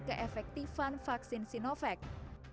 kecuali untuk perusahaan informations tersebut